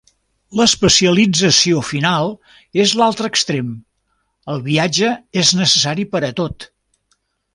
L'especialització final és l'altre extrem: el viatge és necessari per a tot.